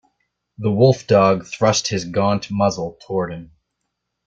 The wolf-dog thrust his gaunt muzzle toward him.